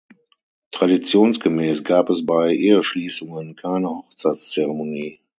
Traditionsgemäß gab es bei Eheschließungen keine Hochzeitszeremonie.